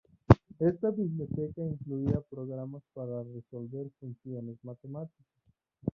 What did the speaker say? Esta biblioteca incluía programas para resolver funciones matemáticas.